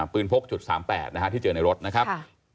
ปืนพก๓๘ที่เจอในรถนะครับ